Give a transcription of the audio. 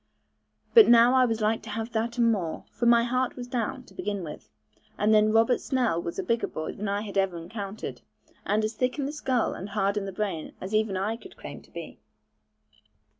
But now I was like to have that and more; for my heart was down, to begin with; and then Robert Snell was a bigger boy than I had ever encountered, and as thick in the skull and hard in the brain as even I could claim to be.